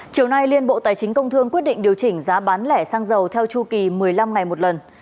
chiều nay liên bộ tài chính công thương quyết định điều chỉnh giá bán lẻ xăng dầu theo chu kỳ một mươi năm ngày một lần